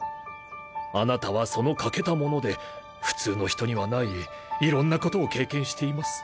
あなたはその欠けたもので普通の人にはないいろんなことを経験しています。